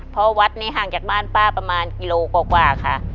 เพราะวัดนี้ห่างจากบ้านป้าประมาณกิโลกว่าค่ะ